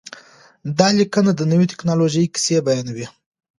دا لیکنه د نوې ټکنالوژۍ کیسه بیانوي.